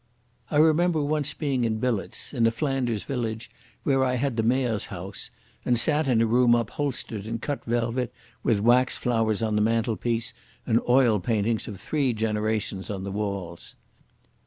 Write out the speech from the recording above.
I remember once being in billets in a Flanders village where I had the Maire's house and sat in a room upholstered in cut velvet, with wax flowers on the mantelpiece and oil paintings of three generations on the walls.